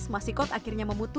masikot akhirnya memusnahkan